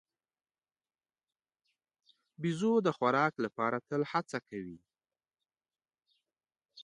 بیزو د خوراک لپاره تل هڅه کوي.